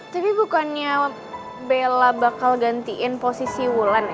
tapi bukannya bella bakal gantiin posisi wulan